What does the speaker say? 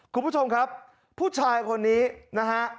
คุณผู้ชมครับผู้ชายคนนี้นะฮะ